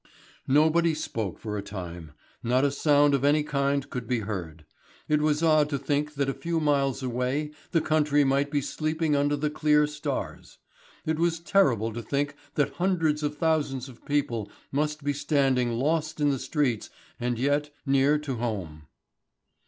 Nobody spoke for a time. Not a sound of any kind could be heard. It was odd to think that a few miles away the country might be sleeping under the clear stars. It was terrible to think that hundreds of thousands of people must be standing lost in the streets and yet near to home.